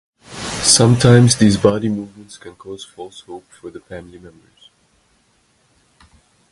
Sometimes these body movements can cause false hope for the family members.